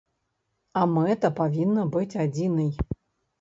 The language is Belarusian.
А мэта павінна быць адзінай.